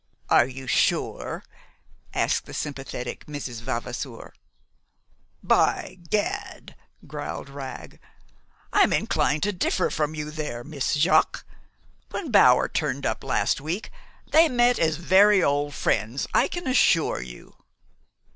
"Are you sure?" asked the sympathetic Mrs. Vavasour. "By gad!" growled Wragg, "I'm inclined to differ from you there, Miss Jaques. When Bower turned up last week they met as very old friends, I can assure you."